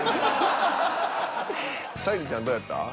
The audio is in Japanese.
沙莉ちゃんどうやった？